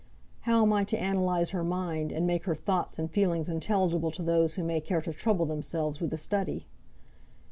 How am I to analyse her mind, and make her thoughts and feelings intelligible to those who may care to trouble themselves with the study?